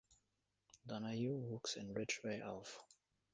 Donahue wuchs in Ridgway auf.